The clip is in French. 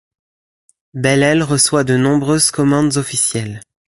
Bellel reçoit de nombreuses commandes officielles.